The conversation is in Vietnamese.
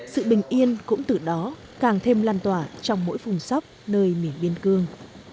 sự bình yên cũng từ đó càng thêm lan tỏa trong mỗi phủng sóc nơi miền biên cương